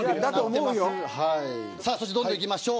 どんどんいきましょう。